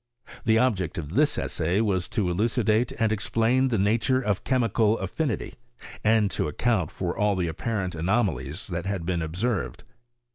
The object of this essay was to elucidate and explain the nature of chemical affinity, and to account for all the apparent anomalies that had been observed.